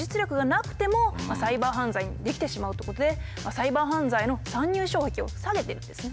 サイバー犯罪の参入障壁を下げてるんですね。